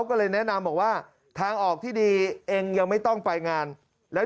ก็เลยแนะนำบอกว่าทางออกที่ดีเองยังไม่ต้องไปงานแล้ว